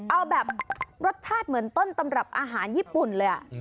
เอาแบบรสชาติเหมือนต้นตำรับอาหารญี่ปุ่นเลย